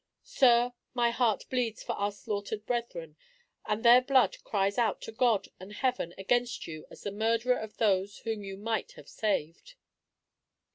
Sir, my heart bleeds for our slaughtered brethren and their blood cries out to God and Heaven against you as the murderer of those whom you might have saved."